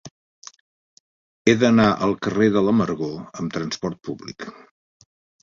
He d'anar al carrer de l'Amargor amb trasport públic.